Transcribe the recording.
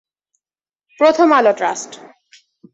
প্রথম আলো ট্রাস্ট